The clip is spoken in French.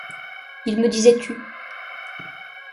Il me disait tu !